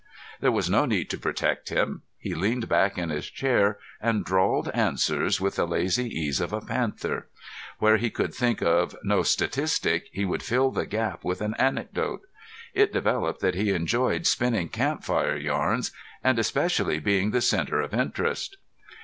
There was no need to protect him. He leaned back in his chair and drawled answers with the lazy ease of a panther; where he could think of no statistic, he would fill the gap with an anecdote. It developed that he enjoyed spinning campfire yarns and especially being the center of interest.